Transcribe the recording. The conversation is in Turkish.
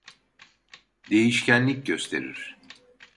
Değişkenlik gösterir